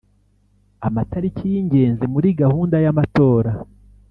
Amatariki y’ingenzi muri gahunda y’amatora